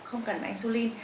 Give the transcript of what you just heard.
không cần insulin